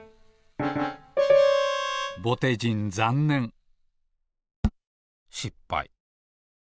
ぼてじんざんねんしっぱい。